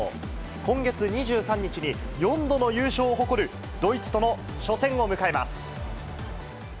今月２３日に、４度の優勝を誇るドイツとの初戦を迎えます。